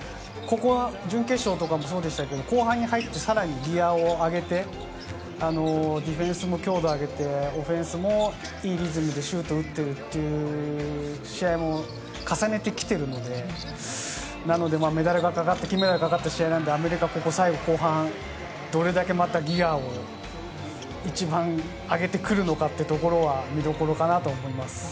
準決勝とかもそうでしたが、後半に入って、さらにギアを上げて、ディフェンスも強度を上げて、オフェンスもいいリズムでシュートを打っているという試合も重ねてきているので、メダルがかかって金メダルがかかった試合なので、アメリカは後半、どれだけギアを一番上げてくるのかってところは見どころかなと思います。